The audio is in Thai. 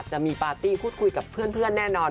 จะมีปาร์ตี้พูดคุยกับเพื่อนแน่นอน